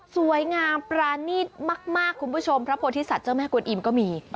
สวยงามปรานีตมากคุณผู้ชมพระโพธิสัตว์เจ้าแม่กวนอิมก็มี